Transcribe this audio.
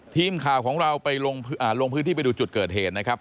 ทีมข่าวของเราไปลงพื้นที่ไปดูจุดเกิดเหตุนะครับ